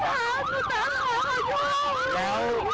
แล้วพ่อหายไปตั้งครั้งเว้น